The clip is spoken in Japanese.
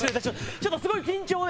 ちょっとすごい緊張で。